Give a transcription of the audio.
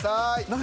何？